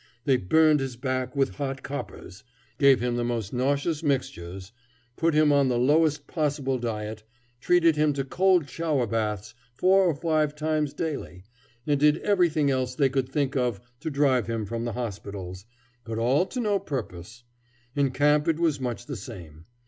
They burned his back with hot coppers; gave him the most nauseous mixtures; put him on the lowest possible diet; treated him to cold shower baths four or five times daily; and did everything else they could think of to drive him from the hospitals, but all to no purpose. In camp it was much the same.